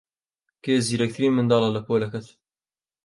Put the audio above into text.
کێ زیرەکترین منداڵە لە پۆلەکەت؟